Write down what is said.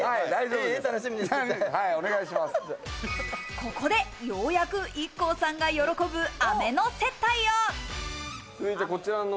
ここで、ようやくＩＫＫＯさんが喜ぶアメの接待を。